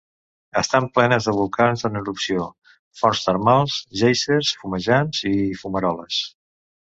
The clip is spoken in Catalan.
Estan plenes de volcans en erupció, fonts termals, guèisers fumejants i fumaroles.